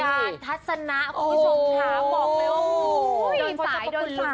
การทัศนะคุณผู้ชมค่ะ